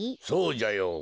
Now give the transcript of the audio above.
そうじゃよ。